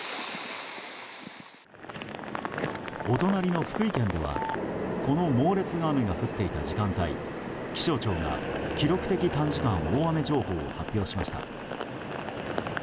お隣の福井県ではこの猛烈な雨が降っていた時間帯気象庁が記録的短時間大雨情報を発表しました。